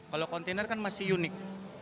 kalau kontainer kan masih unik